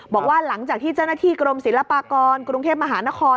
บอกว่าหลังจากที่เจ้าหน้าที่กรมศิลปากรกรุงเทพมหานคร